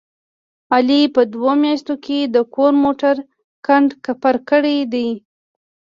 علي په دوه میاشتو کې د کور موټر کنډ کپر کړی دی.